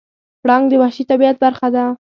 پړانګ د وحشي طبیعت برخه ده.